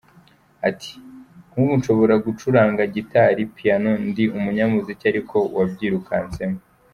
Ati “ Nk’ubu nshobora gucuranga gitari, piano,…ndi umunyamuziki ariko wabyirukansemo.